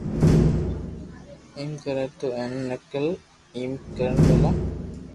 ايم ڪري تو ايتي نقل ايم ڪون ڀلا